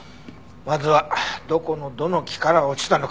まずはどこのどの木から落ちたのか。